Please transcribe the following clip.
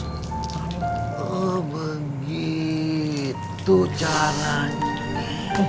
oh begitu caranya